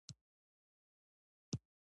غرمه د چایو او ډوډۍ وخت وي